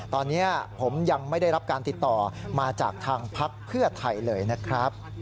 ตอนนี้ผมยังไม่ได้รับการติดต่อมาจากทางพักเพื่อไทยเลยนะครับ